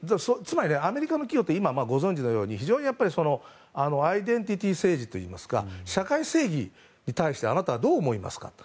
アメリカの企業はご存じのように非常にアイデンティティー政治といいますか社会正義に対してあなたはどう思いますか？と。